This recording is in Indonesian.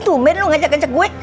tumben lu ngajak ngajak gue